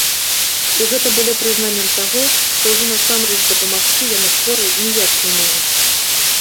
І гэта было прызнаннем таго, што ўжо насамрэч дапамагчы яны хворай ніяк не могуць.